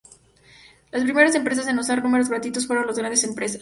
Las primeras empresas en usar números gratuitos fueron las grandes empresas.